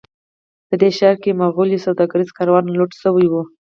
په دې ښار کې مغولي سوداګریز کاروان لوټ شوی و.